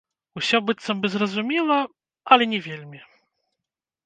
Усё быццам бы зразумела, але не вельмі.